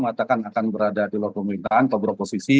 mengatakan akan berada di luar pemerintahan atau beroposisi